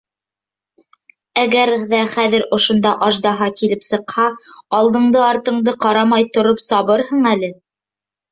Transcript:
Әгәр ҙә хәҙер ошонда аждаһа килеп сыҡһа, алдыңды-артыңды ҡарамай тороп сабырһың әле.